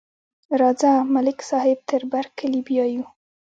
راځه، ملک صاحب تر برکلي بیایو.